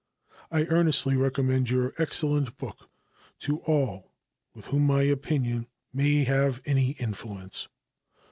I earnestly recommend your excellent book to all with whom my opinion may have any influence.